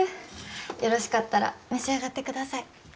よろしかったら召し上がってください。